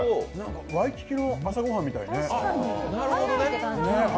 ワイキキの朝ご飯みたいね。